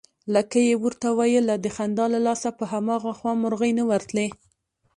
لکۍ يې ورته ويله، د خندا له لاسه په هماغه خوا مرغۍ نه ورتلې